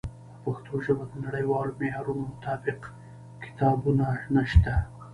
په پښتو ژبه د نړیوالو معیارونو مطابق کتابونه نشته.